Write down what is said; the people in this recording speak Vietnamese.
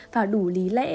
và đủ lý lẽ